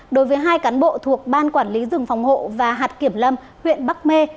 đối với hai cán bộ thuộc ban quản lý rừng phòng hộ và hạt kiểm lâm huyện bắc mê